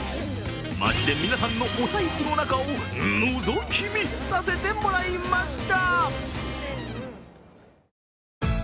街で皆さんのお財布の中をのぞき見させてもらいました。